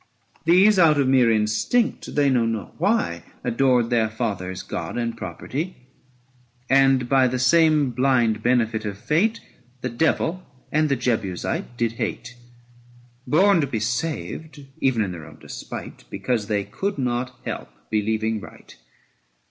These out of mere instinct, they knew not why, 535 Adored their fathers' God and property, And by the same blind benefit of Fate The Devil and the Jebusite did hate: Born to be saved even in their own despite, Because they could not help believing right.